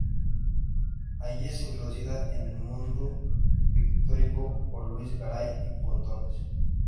Allí es introducida en el mundo pictórico por Luís Garay y Pontones.